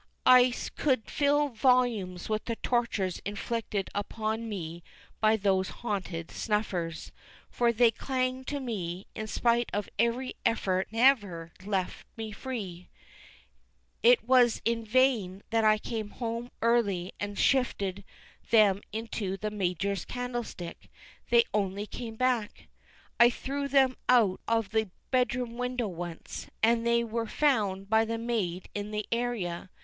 I could fill volumes with the tortures inflicted upon me by those haunted snuffers, for they clung to me, and in spite of every effort never left me free. It was in vain that I came home early and shifted them into the Major's candlestick: they only came back. I threw them out of the bedroom window once, and they were found by the maid in the area.